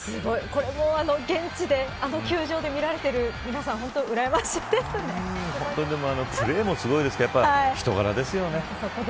現地で、あの球場で見られている皆さんプレーもすごいですけどそこですね。